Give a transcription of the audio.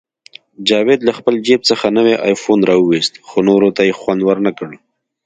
جاوید له خپل جیب څخه نوی آیفون راوویست، خو نورو ته یې خوند ورنکړ